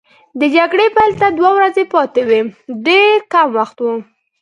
د جګړې پیل ته دوه ورځې پاتې وې، ډېر کم وخت وو.